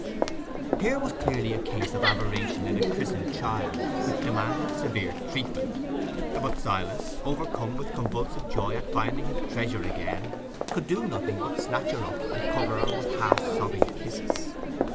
Here was clearly a case of aberration in a christened child which demanded severe treatment; but Silas, overcome with convulsive joy at finding his treasure again, could do nothing but snatch her up, and cover her with half sobbing kisses.